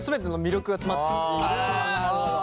あなるほど。